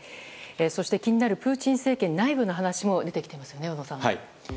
そして、気になるプーチン政権内部の話も出てきていますよね、小野さん。